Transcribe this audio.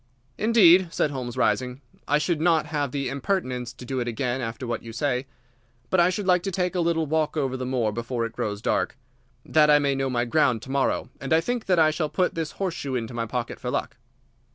"Indeed!" said Holmes, rising. "I should not have the impertinence to do it again after what you say. But I should like to take a little walk over the moor before it grows dark, that I may know my ground to morrow, and I think that I shall put this horseshoe into my pocket for luck."